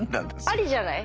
ありじゃない？